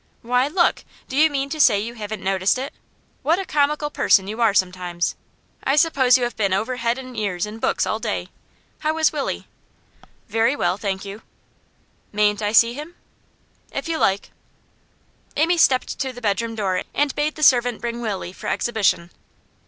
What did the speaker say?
'Why, look! Do you mean to say you haven't noticed it? What a comical person you are sometimes! I suppose you have been over head and ears in books all day. How is Willie?' 'Very well, thank you.' 'Mayn't I see him?' 'If you like.' Amy stepped to the bedroom door and bade the servant bring Willie for exhibition.